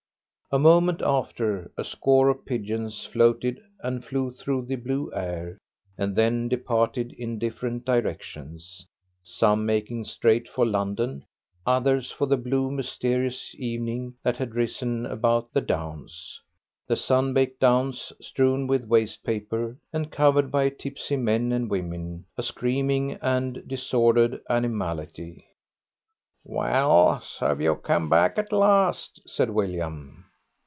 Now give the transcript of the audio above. A moment after a score of pigeons floated and flew through the blue air and then departed in different directions, some making straight for London, others for the blue mysterious evening that had risen about the Downs the sun baked Downs strewn with waste paper and covered by tipsy men and women, a screaming and disordered animality. "Well, so you've come back at last," said William.